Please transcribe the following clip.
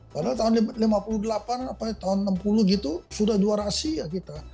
padahal tahun seribu sembilan ratus lima puluh delapan atau tahun seribu sembilan ratus enam puluh gitu sudah juara asia kita